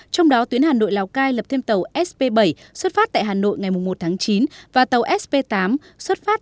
trong đó tuyến hà nội lào cai lập thêm tàu sp bảy xuất phát tại hà nội ngày một tháng chín và tàu sp tám xuất phát